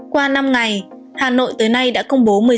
qua năm ngày hà nội tới nay đã công bố